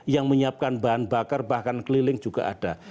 yang menyiapkan bahan bakar bahkan keliling juga ada